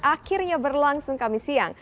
akhirnya berlangsung kami siang